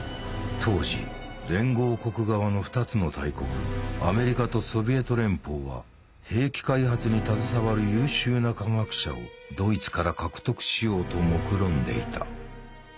当時連合国側の２つの大国アメリカとソビエト連邦は兵器開発に携わる優秀な科学者をドイツから獲得しようともくろんでいた。